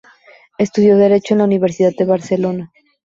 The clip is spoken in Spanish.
Estudió derecho en la Universidad de Barcelona.